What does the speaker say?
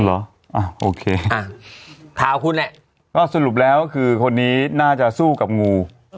เหรอโอเคอ่ะข่าวคุณแหละก็สรุปแล้วคือคนนี้น่าจะสู้กับงู